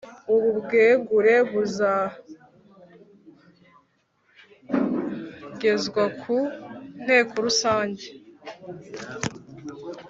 Ubu bwegure buzagezwa ku nteko rusange